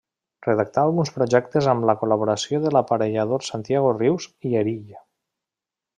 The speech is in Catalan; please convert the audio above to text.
Redactà alguns projectes amb la col·laboració de l'aparellador Santiago Rius i Erill.